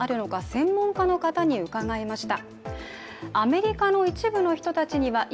専門家の方に伺いました。